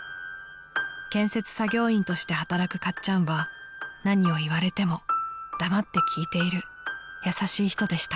［建設作業員として働くかっちゃんは何を言われても黙って聞いている優しい人でした］